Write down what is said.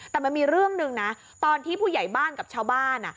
แต่มันมีเรื่องหนึ่งนะตอนที่ผู้ใหญ่บ้านกับชาวบ้าน